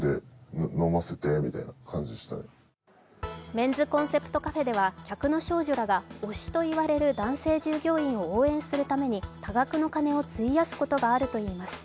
メンズコンセプトカフェでは、客の少女らが推しと言われる男性従業員を応援するために多額の金を費やすことがあるといいます。